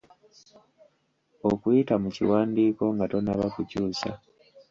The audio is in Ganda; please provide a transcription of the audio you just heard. Okuyita mu kiwandiiko nga tonnaba kukyusa